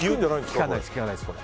きかないです。